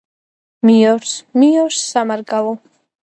მიორს მიორს სამარგალო